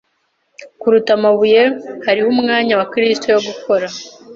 kuruta amabuye Hariho umwanya wa kristu yo gukora